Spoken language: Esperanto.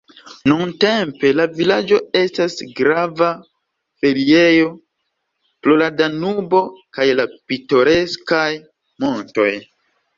Nuntempe la vilaĝo estas grava feriejo pro la Danubo kaj la pitoreskaj montoj.